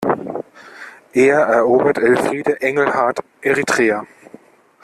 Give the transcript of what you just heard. Eher erobert Elfriede Engelhart Eritrea!